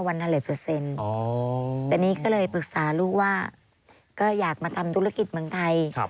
วันนี้ก็เลยปรึกษาลูกว่าก็อยากมาทำธุรกิจเมืองไทย